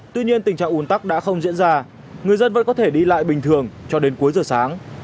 tuy nhiên tình trạng ủn tắc đã không diễn ra người dân vẫn có thể đi lại bình thường cho đến cuối giờ sáng